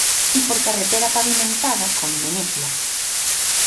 Y por carretera pavimentada con Venecia.